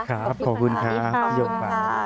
ครับขอบคุณค่ะขอบคุณค่ะ